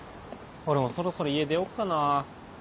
俺もそろそろ家出ようかな。